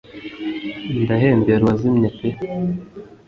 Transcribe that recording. ndahembera uwazimye pe